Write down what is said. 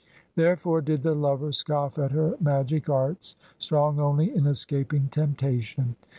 Therefore did the lover scoff at her magic arts, strong only in escaping temptation.